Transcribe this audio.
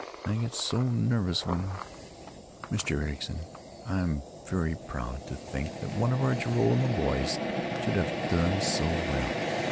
I get so nervous when——Mr. Ericson, I'm very proud to think that one of our Joralemon boys should have done so well.